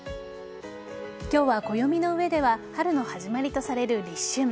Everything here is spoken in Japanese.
今日は、暦の上では春の始まりとされる立春。